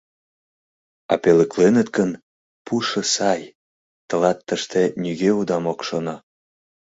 А пӧлекленыт гын, пушо сай — тылат тыште нигӧ удам ок шоно...